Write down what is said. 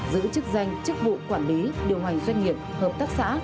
giữ chức danh chức vụ quản lý điều hành doanh nghiệp hợp tác xã